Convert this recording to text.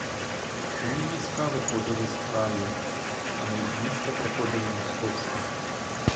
Свої війська виходили з краю, а на їх місце приходили московські.